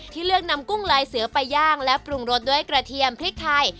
เลือกนำกุ้งลายเสือไปย่างและปรุงรสด้วยกระเทียมพริกไทย